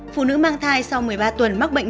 phụ nữ mang thai sau một mươi ba tuần mắc bệnh